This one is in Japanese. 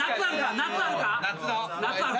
夏あるか？